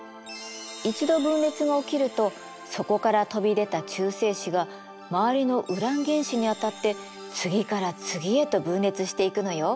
一度分裂が起きるとそこから飛び出た中性子が周りのウラン原子に当たって次から次へと分裂していくのよ。